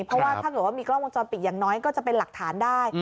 เพราะว่าถ้าเกิดว่ามีกล้องวงจรปิดอย่างน้อยก็จะเป็นหลักฐานได้